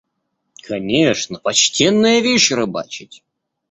Конечно, почтенная вещь – рыбачить.